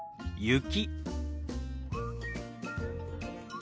雪。